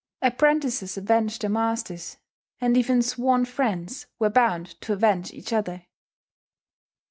Apprentices avenged their masters; and even sworn friends were bound to avenge each other.